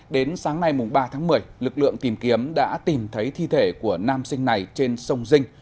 đến sáng nay ba tháng một mươi lực lượng tìm kiếm đã tìm thấy thi thể của nam sinh này trên sông dinh